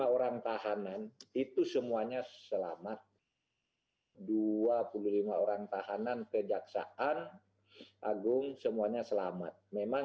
lima orang tahanan itu semuanya selamat dua puluh lima orang tahanan kejaksaan agung semuanya selamat memang